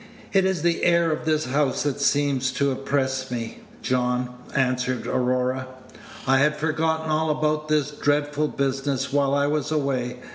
"It is the air of this house that seems to oppress me, John," answered Aurora. "I had forgotten all about this dreadful business while I was away.